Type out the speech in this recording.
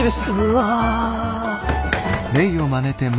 うわ！